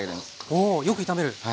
およく炒める。